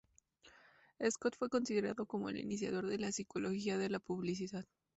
Scott fue considerado como el iniciador de la psicología de la publicidad.